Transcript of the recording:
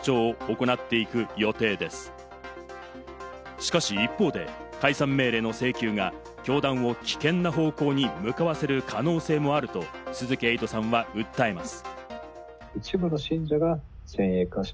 しかし、一方で解散命令の請求が教団を危険な方向に向かわせる可能性もあると鈴木エイトさんは訴えます。